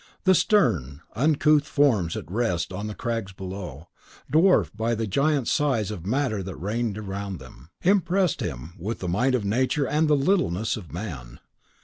The stern, uncouth forms at rest on the crags below, and dwarfed by the giant size of the Matter that reigned around them, impressed him with the might of Nature and the littleness of Man.